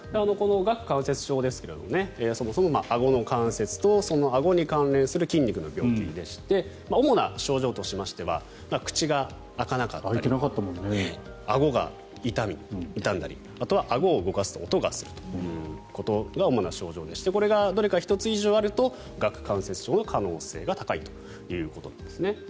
顎関節症ですがそもそも、あごの関節とそのあごに関連する筋肉の病気でして主な症状としては口が開かなかったりあごが痛んだりあとは、あごを動かすと音がするということが主な症状でしてこれがどれか１つ以上あると顎関節症の可能性が高いということですね。